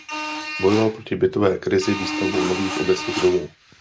Bojoval proti bytové krizi výstavbou nových obecních domů.